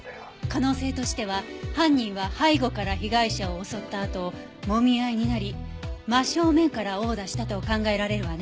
可能性としては犯人は背後から被害者を襲ったあともみ合いになり真正面から殴打したと考えられるわね。